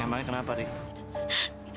emangnya kenapa riri